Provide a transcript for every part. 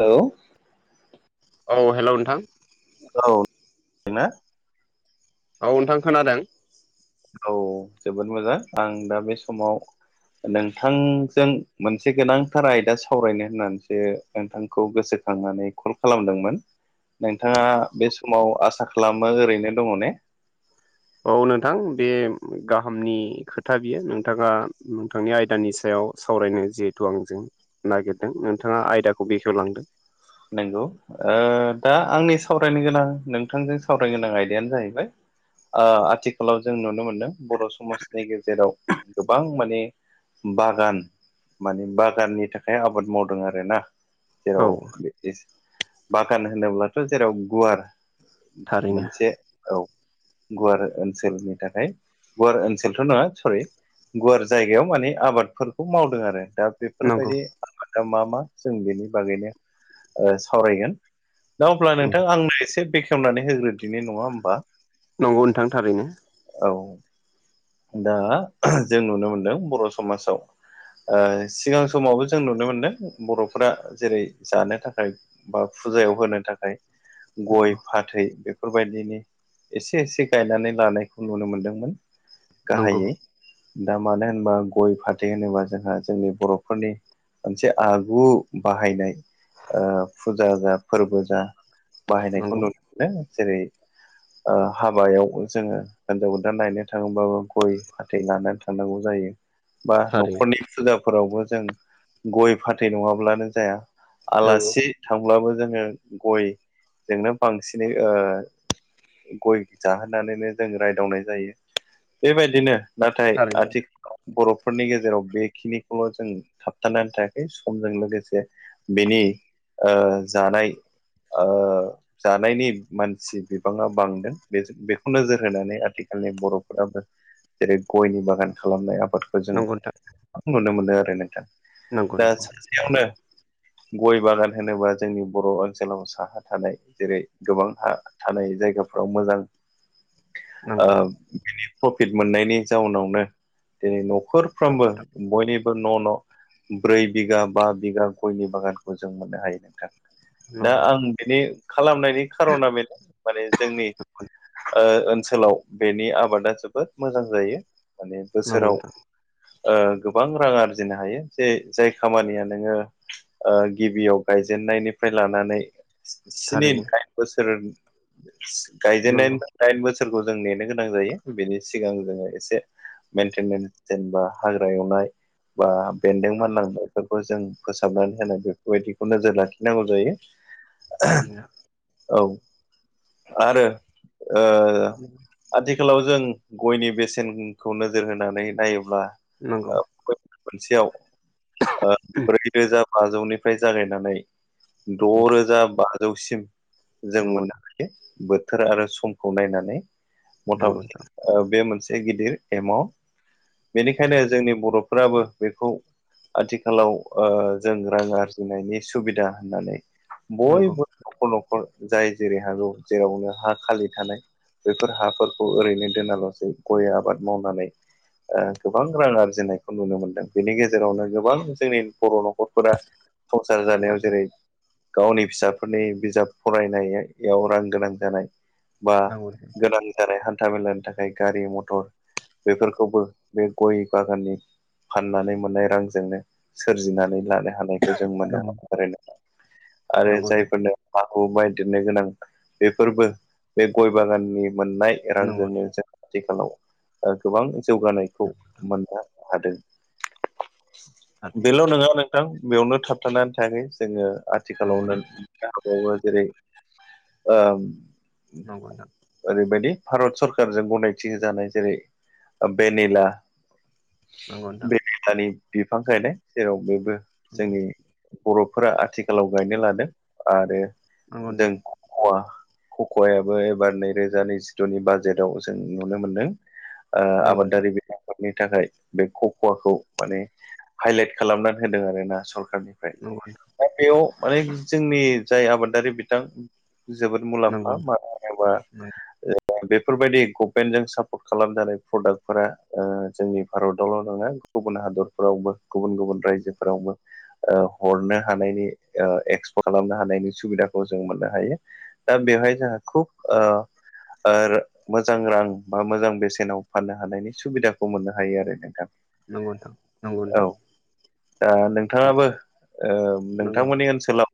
Hello औ hello नोंथां औ ना औ नोंथां खोनादों औ जोबोद मोजां आं दा बे समाव नोंथांजों मोनसे गोनांथार आयदा सावरायनो होननानैसो नोंथांखौ गोसोखांनानै कल खालामदोंमोन नोंथाङा बे समाव आसा खालामो ओरैनो दङ ने औ नोंथां बे गाहामनि खोथा बियो नोंथाङा नोंथांनि आयदानि सायाव सावरायनो जिहेथु आंजों नागिरदों नोंथाङा आयदाखौ बेखेवलांदों नंगौ दा आंनि सावरायनो गोनां नोंथांजों सावरायनो गोनां आयदायानो जाहैबाय आथिखालाव जों नुनो मोनदों बर' समाजनि गेजेराव गोबां माने बागान माने बागाननि थाखाय आबाद मावदों आरोना औ जेराव बागान होनोब्लाथ' जेराव गुवार थारैनो मोनसे औ गुवार ओनसोलनि थाखाय गुवार ओनसोलथ' नङा सरि गुवार जायगायाव माने आबादफोरखौ मावदों आरो दा नंगौ बेफोरबायदि आबादा मा मा जों बेनि बागैनो सावरायगोन दा अब्ला नोंथां आंनो एसे बेखेवनानै होग्रोदिनाय नङा होमबा नंगौ नोंथां थारैनो औ दा जों नुनो मोनदों बर' समाजाव सिगां समावबो जों नुनो मोनदों बर'फोरा जेरै जानो थाखाय बा फुजायाव होनो थाखाय गय नंगौ फाथै बेफोरबायदिनि एसे एसे गायनानै लानायखौ नुनो मोनदोंमोन नंगौ गाहायै दा मानो होनोबा गय फाथै होनोबा जोंहा जोंनि बर'फोरनि मोनसे आगु बाहायनाय फुजा जा फोरबो जा बाहायनायखौ नंगौ नुयो जेरै हाबायाव जोङो हिनजाव गोदान लायनो थाङोबाबो गय फाथै लानानै थांनांगौ जायो बा थारैनो न'खरनि फुजाफोरावबो जों गय फाथै नङाब्लानो जाया नंगौ आलासि थांब्लाबो जोङो गयजोंनो बांसिनै गय जाहोनानैनो जों रायदावनाय जायो बेबायदिनो नाथाय थारैनो आथिखालाव बर'फोरनि गेजेराव बेखिनिखौल' जों थाबथानानै थायाखै समजों लोगोसे बेनि जानाय जानायनि मानसि बिबाङा बांदों बे बेखौ नोजोर होनानै आथिखालनि बर'फोराबो जेरै गयनि बागान खालामनाय आबादखौ जों नंगौ गोबां नुनो मोनो आरो नोंथां दा नोंथां सानसेयावनो गय बागान होनोबा जोंनि बर' ओनसोलाव साहा थानाय जेरै गोबां हा थानाय जायगाफ्राव मोजां नंगौ बिनि प्रफिट मोननायनि जाउनावनो दिनै नखर नखरफ्रोमबो बयनि- न' न' ब्रै बिगा बा बिगा गयनि बागानखौ जों मोननो हायो नोंथां दा नंगौ आं बिनि खालामनायनि खार'ना बे माने जोंनि ओनसोलाव बेनि आबादा जोबोद मोजां जायो माने नंगौ नोंथां नंगौ बोसोराव नोंथां गोबां रां आरजिनो हायो जे जाय खामानिया नोङो गिबियाव गायजेननायनिफ्राय लानानै स्नि थारैनो दाइन बोसोर नंगौ गायजेननायनि दाइन बोसोर फोरखौ जों नेनो गोनां जायो बेनि सिगां जोङो एसे मेनटेनेन्स जेनेबा हाग्रा एवनाय बा, बेन्दों मानलांनायफोरखौ जों फोसाबनानै होनाय बेफोरबायदिखौ नोजोर लाखिनांगौ जायो। थारैनो औ आरो। ओ [inaudible] आथिखालाव जों गयनि बेसेनखौ नोजोर होनानै नायोब्ला। नंगौ ओ मोनसेयाव ब्रैरोजा बाजौनिफ्राय जागायनानै द'रोजा बाजौसिम। जों नंगौ मोननो हायो। बोथोर आरो समखौ नायनानै मथा नंगौ मथि नोंथां ओ बे मोनसे गिदिर एमाउन्ट। बेनिखायनो जोंनि बर'फोराबो बेखौ आथिखालाव ओ जों रां आरजिनायनि सुबिदा होननानै नंगौ बयबो न'खर न'खर जाय जेरै हागौ जेरावनो हा खालि थानाय बेफोर हाफोरखौ ओरैनो दोनाल'सै गय आबाद मावनानै ओ गोबां रां आरजिनायखौ नुनो मोनदों। बेनि गेजेरावनो गोबां जोंनि बर' न'खरफोरा संसार नंगौ जानायाव नोंथां जेरै, गावनि फिसाफोरनि बिजाब फरायनायाव रां गोनां जानाय, बा गोनां जानाय हान्था मेलानि थाखाय गारि मथर बेफोरखौबो बे गय बागाननि फाननानै मोननाय रांजोंनो सोरजिनानै लानो हानायखौ जों नंगौ मोनो ओरो आरो नंगौ जायफोरनो हा हु माइ दोननो गोनां बेफोरबो बे गय बागाननि मोननाय नंगौ रांजोंनो। आथिखालाव गोबां जौगानायखौ मोननो हादों। थारैनो। बेल' नङा नोंथां। बेयावनो थाबथानानै थायाखै जोङो आथिखालावनो, नुनो हाबावो जेरै, ओ नंगौ नोंथां। ओरैबायदि भारत सरकारजों गनायथि होजानाय जेरै भेनिला नंगौ नोंथां। दानि बिफां गायनाय जेराव बेबो जोंनि बर'फोरा आथिखालाव गायनो लादों। आरो नंगौ जों हख'वायाबो एबार नैरोजा नैजिद'नि बाजेट जों नुनो मोनदों ओ नोंथां आबादारि आफादनि थाखाय बे खखवाखौ माने हाइलाइट खालामनानै होदों आरोना सरखारनि औ। दा बेयाव माने जोंनि जाय आबादारि बिथां जोबोद मुलाम्फा नोंथां मानो होनोबा नंगौ ओ बे बेफोरबायदि गभमेन्टजों सापर्ट खालामजानाय प्रडाक्टफोरा जोंनि भारतावल' नङा। गुबुन हादरफोरावबो गुबुन गुबुन रायजोफोरावबो। ओ हरनो हानायनि एक्सपर्ट खालामनो हानायनि सुबिदाखौ जों मोननो हायो। दा बेवहाय जोंहा खुब ओ ओ मोजां रां बा मोजां बेसेनाव फाननो हानायनि सुबिदाखौ मोननो हायो आरो नोंथां। नंगौ औ नोंथां। दा नोंथाङाबो ओ नंगौ नोंथां नंगौ नोंथां थारैनो नंगौ नोंथां नोंथांमोननि ओनसोलाव,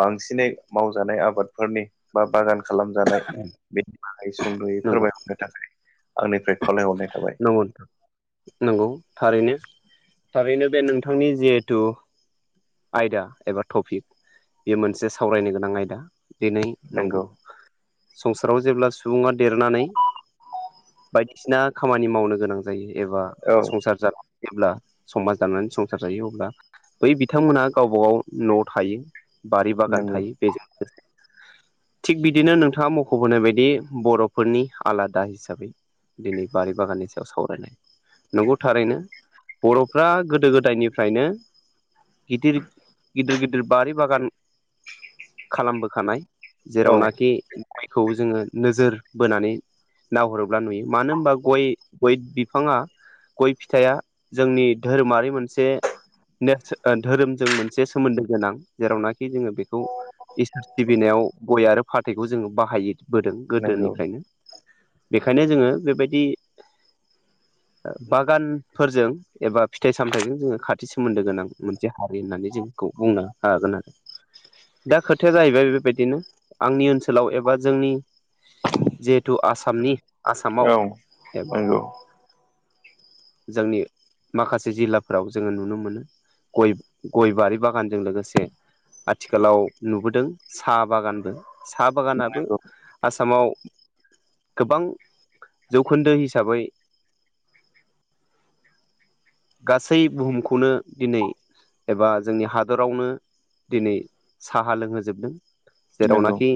बांसिनै मावजानाय आबादफोरनि बा बागान खालामजानाय, औ। बेनि बागै सुंद'यै फोरमायहरनो थाखाय आंनिफ्राय खावलायहरनाय थाबाय। नगौ थारैनो थारैनो बे नोंथांनि जिहेथु, आयदा एबा टपिक बे मोनसे सावरायनो गोनां आयदा। [unintelligible] नंगौ संसाराव जेब्ला सुबुङा देरनानै बायदिसिना खामानि मावनो गोनां जायो एबा औ संसार जाला जेब्ला समाज जानानै संसार जायो अब्ला बै बिथांमोनहा गावबा गाव न'आव थायो। बारि बागान नंगौ थायो बेजों [unintelligible] थिग बिदिनो नोंथाङा मख'बोनाय बायदि बर'फोरनि आलादा हिसाबै दिनै बारि बागाननि सायाव सावरायनाय। नंगौ थारैनो बर'फ्रा गोदो गोदायनिफ्रायनो गिदिर गिदिर गिदिर बारि बागान खालामबोखानाय। औ जेरावनाखि गयखौ जोङो नोजोर बोनानै नाहरो योब्ला नुयो मानो होमबा गय गय बिफाङा गय फिथाइया जोंनि धोरोमारि मोनसे [unintelligible] ओ धोरोमजों मोनसे सोमोन्दो गोनां। जेरावनाखि जोङो बेखौ इसोर सिबिनायाव गय आरो फाथैखौ जोङो बाहायो। बोदों नंगौ गोदोनिफ्रायनो बेखायनो जोङो बेबायदि बागानफोरजों एबा फिथाइ सामथाइजों जोङो खाथि सोमोन्दो गोनां मोनसे हारि होननानै जोंखौ बुंनो हागोन आरो [inaudible] दा खोथाया जाहैबाय बेबायदिनो आंनि ओनसोलाव एबा जोंनि जिहेथु आसामनि आसामाव औ एबा नंगौ जोंनि माखासे जिल्लाफोराव जोङो नुनो मोनो गय गय बारि बागानजों लोगोसे आथिखालाव नुबोदों साहा बागानबो साहा बागानाबो आसामाव गोबां जौखोन्दो हिसाबै गासै बुहुमखौनो दिनै एबा जोंनि हादरावनो दिनै साहा लोंहोजोबदों नंगौ नंगौ जेरावनाखि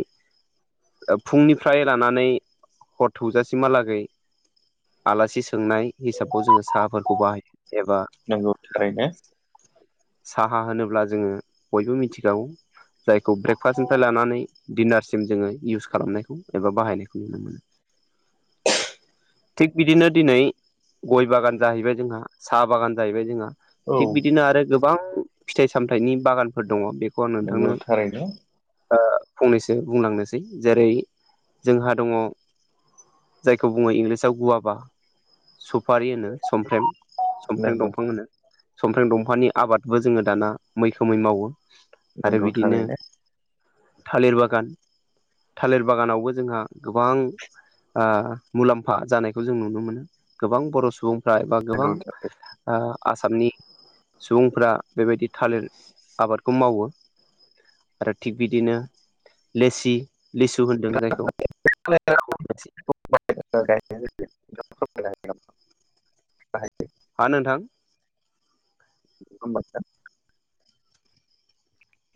ओ फुंनिफ्राय लानानै हर थौजासिमहालागै आलासि सोंनाय हिसाबाव जोङो साहाफोरखौ बाहायो एबा नोंगौ थारैनो। साहा होनोब्ला जोङो बयबो मिथिखागौ। जायखौ ब्रेकफास्टनिफ्राय लानानै दिडिनारसिम जोङो इउस खालामनायखौ एबा बाहायनायखौ [inaudible] थिग बिदिनो दिनै गय बागान जाहैबाय जोंहा साहा बागान जाहैबाय जोंहा औ थिग बिदिनो आरो गोबां फिथाइ सामथाइनि बागानफोर दङ बे खौ आं नंगौ नोंथांनो थारैनो ओ फंनैसो बुंलांनोसै जेरै जोंहा दङ जायखौ बुङो इंलिसाव गुवाफा सुफारि होनो समफ्रेम। समफ्रेम नंगौ दंफां होनो समफ्रें दंफांनि आबादबो जोङो दाना मैखोमै मावो। आरो नंगौ बिदिनो थारैनो थालिर बागान थालिर बागानावबो जोंहा गोबां ओ मुलाम्फा जानायखौ जों नुनो मोनो गोबां बर' सुबुंफ्रा एबा गोबां नंगौ ओ आसामनि सुबुंफ्रा बेबायदि थालिर आबादखौ मावो। आरो थिग बिदिनो लेसि लिसु होनदों थारैनो जायखौ [unintelligible] हा नोंथां। [unintelligible]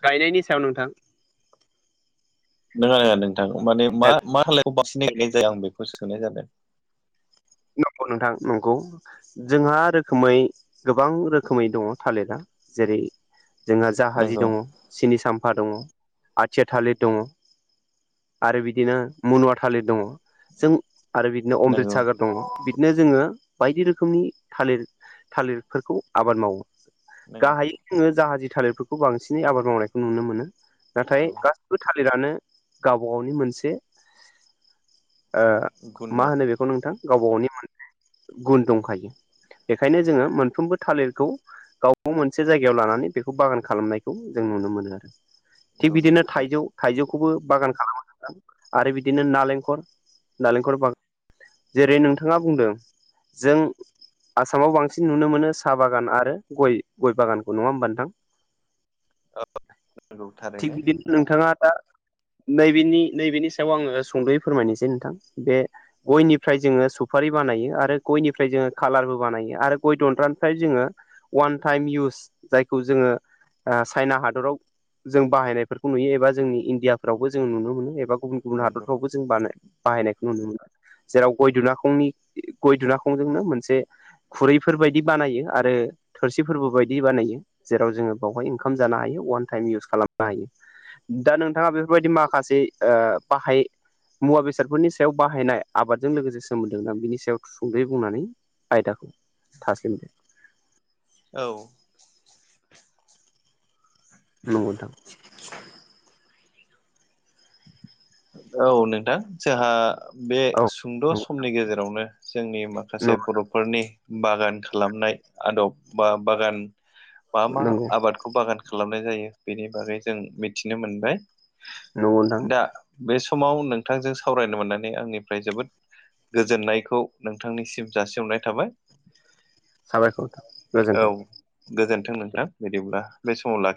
गायनायनि सायाव नोंथां नङा नङा नोंथां माने मा मा खालायाव [unintelligible] जाया आं बेखौसो सोंनाय जादों? नंगौ नोंथां नंगौ। जोंहा रोखोमै गोबां रोखोमै दङ थालिरा जेरै जोंहा जाहाजि नंगौ दङ सिनि साम्फा दङ आथिया थालिर दङ। आरो बिदिनो मुनुवा थालिर दङ जों आरो बिदिनो नंगौ अमृतसागर दङ बिदिनो जोङो बायदि रोखोमनि थालिर थालिरफोरखौ आबाद मावो। नंगौ गाहायै जोङो जाहाजि थालिरफोरखौ बांसिनै आबाद मावनायखौ नुनो मोनो। नाथाय नंगौ गासिबो थालिरानो गावबा गावनि मोनसे ओ गुन मा दं होनो बेखौ नोंथां गावबा गावनि मोनसे गुन दंखायो। बेखायनो जोङो मोनफ्रोमबो थालिरखौ गाव बागाव मोनसे जायगायाव लानानै बेखौ बागान खालामनायखौ जों नुनो मोनो आरो। थिग नंगौ नंगौ बिदिनो थारै थाइजौ थाइजौखौबो बागान खालामो नोंथां आरो बिदिनो नालेंखर नालेंखर बा जेरै नोंथाङा बुंदों जों आसामाव बांसिन नुनो मोनो साहा बागान आरो गय गय बागानखौ नङा होमबा नोंथां? औ नंगौ थिक थारैनो बिदि नोंथाङा दा नैबेनि नैबेनि सायाव आङो सुंद'यै फोरमायनोसै नोंथां बे गयनिफ्राय जोङो सुफारि बानायो आरो गयनिफ्राय जोङो खालारबो बानायो आरो गय दन्द्रानिफ्राय जोङो अवान टाइम इउस जायखौ जोङो ओ चाइना हादराव जों बाहायनायफोरखौ नुयो एबा जोंनि इण्डियाफोरावबो जों नुनो मोनो एबा गुबुन गुबुन नंगौ हादरफ्रावबो जों बानाय बाहायनायखौ नुनो मोनो। जेराव गय दुुनाखंनि गय दुुनाखंजोंनो मोनसे खुरैफोरबायदि बानायो आरो थोरसिफोरबो बायदि बानायो। जेराव जोङो बावहाय ओंखाम जानो हायो अवान टाइम इउस खालामनो हायो। दा नोंथाङा बेफोरबायदि माखासे ओ बाहाय मुवा बेसादफोरनि सायाव बाहायनाय आबादजों लोगोसे सोमोन्दो बिनि सायाव सुंद'यै बुंनानै आयदाखौ थास्लिमदो। औ। नंगौ नोंथां। [inaudible] औ नोंथां जोंहा बे औ सुंद' नंगौ समनि गेजेरावनो जोंनि माखासे नंगौ बर'फोरनि बागान खालामनाय आदब बा बागान मा मा नंगौ नंगौ आबाद खौ बागान खालामनाय जायो बेनि बागै जों मिथिनो मोनबाय नोंथां दा बे समाव नोंथांजों सावरायनो मोननानै आंनिफ्राय जोबोद गोजोननायखौ नोंथांनिसिम जासिहरनाय थाबाय। साबायखर औ गोजोन्थों। गोजोन्थों नोंथां बिदिब्ला बे समाव लाखि